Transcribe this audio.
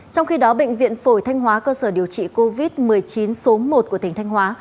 trong khi đó bệnh viện phổi thanh hóa cơ sở điều trị covid một mươi chín số một của tỉnh thanh hóa